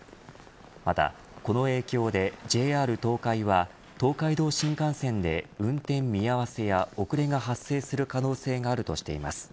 またこの影響でＪＲ東海は東海道新幹線で運転見合わせや遅れが発生する可能性があるとしています。